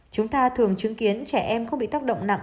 chúng ta thường chứng kiến trẻ em không bị tác động nặng